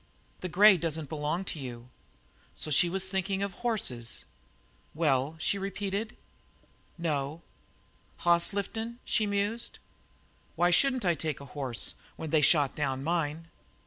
"The grey doesn't belong to you?" So she was thinking of horses! "Well," she repeated. "No." "Hoss lifting," she mused. "Why shouldn't I take a horse when they had shot down mine?"